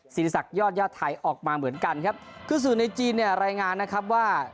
สินศักดิ์ยอดย่อไทยออกมาเหมือนกันครับคือศูนย์ในจีนเนี่ยรายงานนะครับว่า